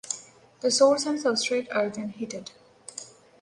The source and substrate are then heated.